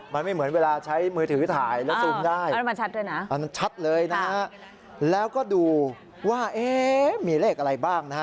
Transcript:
มันไม่เหมือนเวลาใช้มือถือถ่ายแล้วซูมได้